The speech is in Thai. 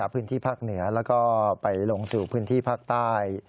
พื้นที่ภาคเหนือแล้วก็ไปลงสู่พื้นที่ภาคใต้